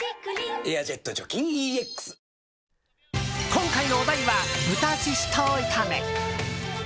今回のお題は豚シシトウ炒め。